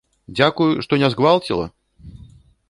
Дзякуй, што не згвалціла.